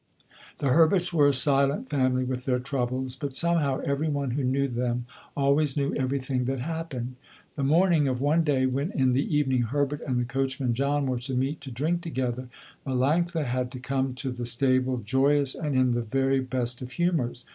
The Herberts were a silent family with their troubles, but somehow every one who knew them always knew everything that happened. The morning of one day when in the evening Herbert and the coachman John were to meet to drink together, Melanctha had to come to the stable joyous and in the very best of humors.